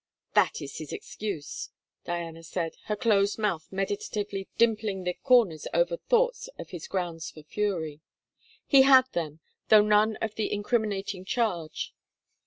'That is his excuse,' Diana said, her closed mouth meditatively dimpling the comers over thoughts of his grounds for fury. He had them, though none for the incriminating charge.